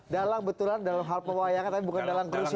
dalang betulan dalam hal pewayangan tapi bukan dalam kerusuhan